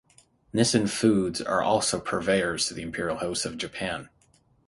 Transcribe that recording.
Nissin Foods are also Purveyors to the Imperial House of Japan.